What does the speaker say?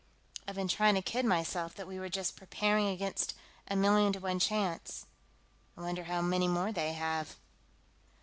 "I'd been trying to kid myself that we were just preparing against a million to one chance. I wonder how many more they have."